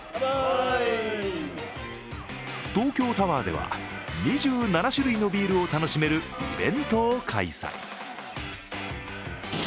東京タワーでは、２７種類のビールを楽しめるイベントを開催。